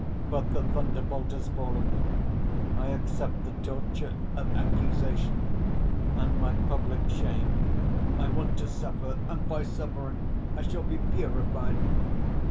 But the thunderbolt has fallen. I accept the torture of accusation, and my public shame, I want to suffer and by suffering I shall be purified.